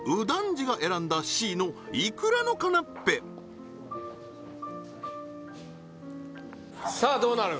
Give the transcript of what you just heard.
次が選んだＣのいくらのカナッペさあどうなる？